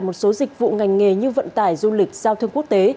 một số dịch vụ ngành nghề như vận tải du lịch giao thương quốc tế